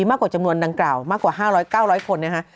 มากกว่าจำนวนดังกล่าวมากกว่า๕๐๐๙๐๐คนนะฮะ